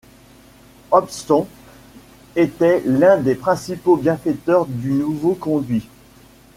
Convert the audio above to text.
Hobson était l'un des principaux bienfaiteurs du nouveau conduit.